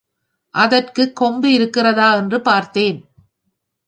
அதற்குக் கொம்பு இருக்கிறதா என்று பார்த்தேன்.